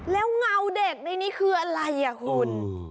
แล้วเงาเด็กในนี้คืออะไรอ่ะคุณ